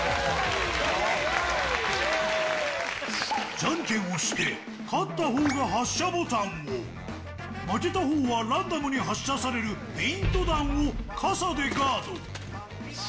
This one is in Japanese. じゃんけんをして、勝ったほうが発射ボタンを、負けたほうはランダムに発射されるペイント弾を傘でガード。